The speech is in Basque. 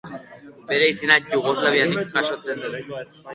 Bere izena Jugoslaviagatik jasotzen du.